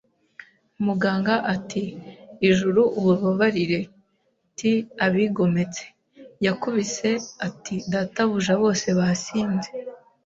Muganga ati: "Ijuru ubababarire." “'Tis abigometse!" Yakubise ati: “Databuja bose basinze